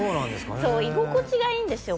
へえそう居心地がいいんですよ